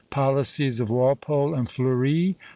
POLICIES OF WALPOLE AND FLEURI.